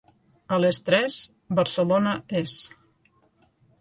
A les tres, Barcelona és.